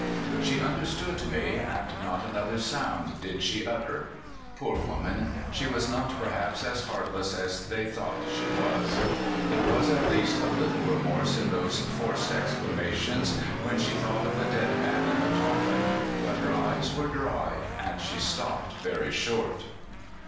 She understood me, and not another sound did she utter. Poor woman ! She was not perhaps as heartless as they thought she was. There was at least a little remorse in those forced exclamations, when she thought of the dead man in the coffin; but her eyes were dry, and she stopped very short.